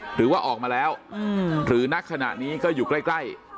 หรือว่าออกมาแล้วหรือนักขณะนี้ก็อยู่ใกล้